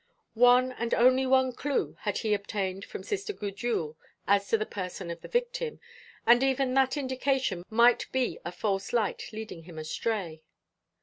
One and one only clue had he obtained from Sister Gudule as to the person of the victim, and even that indication might be a false light leading him astray.